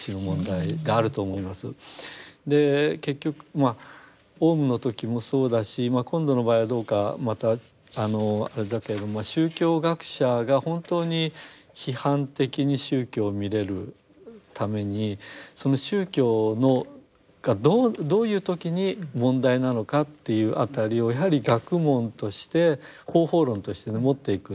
結局まあオウムの時もそうだし今度の場合はどうかまたあれだけれども宗教学者が本当に批判的に宗教を見れるためにその宗教がどういう時に問題なのかっていう辺りをやはり学問として方法論としてね持っていく。